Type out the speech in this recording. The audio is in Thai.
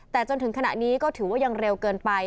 แต่จนถึงขณะนี้ก็ถือว่ายังเร็วเกินไป